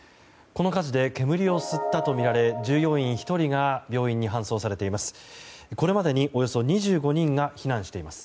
この火事で煙を吸ったとみられ従業員１人が病院に搬送されています。